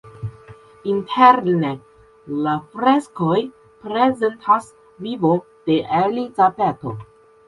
Interne la freskoj prezentas vivon de Elizabeto.